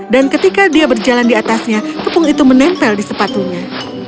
dan ketika dia berjalan di atasnya tepung itu menempel di sepatunya